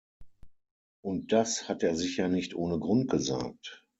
Und das hat er sicher nicht ohne Grund gesagt.